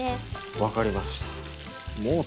分かりました。